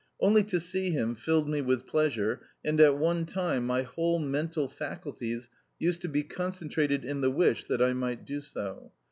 Only to see him filled me with pleasure, and at one time my whole mental faculties used to be concentrated in the wish that I might do so.